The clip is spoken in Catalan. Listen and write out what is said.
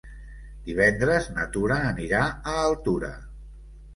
Divendres na Tura anirà a Altura.